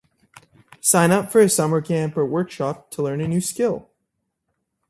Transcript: Sign up for a summer camp or workshop to learn a new skill.